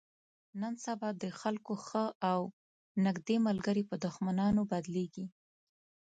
نن سبا د خلکو ښه او نیږدې ملګري په دښمنانو بدلېږي.